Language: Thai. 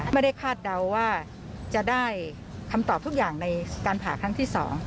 คาดเดาว่าจะได้คำตอบทุกอย่างในการผ่าครั้งที่๒